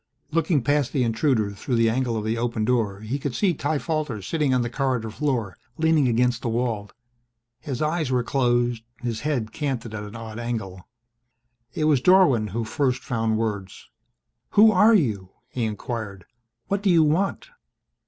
Looking past the intruder through the angle of the open door he could see Ty Falter sitting on the corridor floor, leaning against the wall. His eyes were closed, his head canted at an odd angle. It was Dorwin who first found words. "Who are you?" he inquired. "What do you want?"